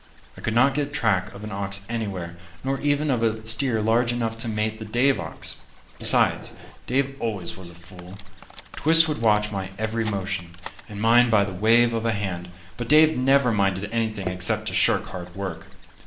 I could not get track of an ox anywhere, nor even of a steer large enough to mate the Dave ox. Besides, Dave always was a fool. Twist would watch my every motion, and mind by the wave of the hand, but Dave never minded anything except to shirk hard work.